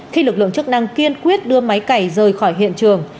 khi lực lượng chức năng kiên quyết đưa máy cày rời khỏi hiện trường